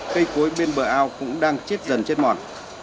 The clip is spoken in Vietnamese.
cây cối bên bờ ao cũng đang chết dần chết mòn